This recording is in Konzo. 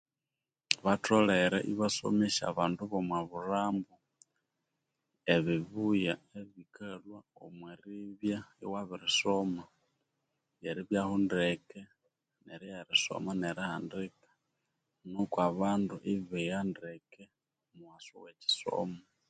Batholere iba somesya abandu bomwa bulhambu ebibuya ebikalhwa omwe ribya iwabirisoma nge ribyahu ndeke nerigha erisoma ne rihandika nuku abandu ibigha ndeke omughasu we kyisomo